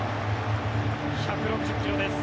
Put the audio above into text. １６０キロです。